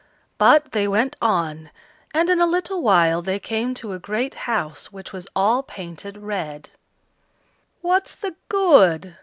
But they went on, and in a little while they came to a great house which was all painted red. "What's the good?"